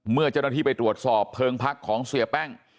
เมื่อเจ้าหน้าที่ไปตรวจสอบเพลิงพักของเสียแป้ง